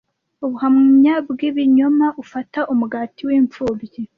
Ubuhamya bwibinyoma - ufata umugati wimfubyi,